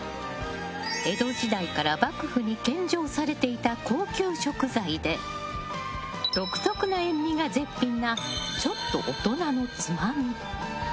江戸時代から幕府に献上されていた高級食材で独特な塩みが絶品なちょっと大人のつまみ。